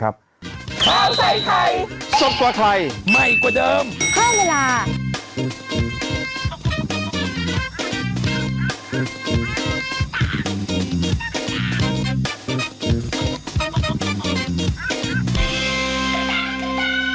โปรดติดตามตอนต่อไป